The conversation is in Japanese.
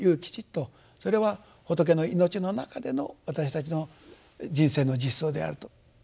それは仏の命の中での私たちの人生の実相であると。